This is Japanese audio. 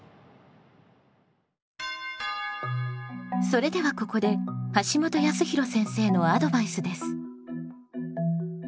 それではここで橋本康弘先生のアドバイスです。